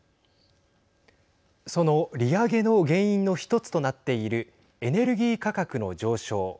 その利上げの原因の１つとなっているエネルギー価格の上昇。